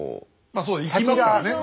まあそう生きますからね。